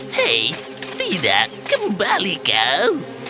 hei tidak kembali kal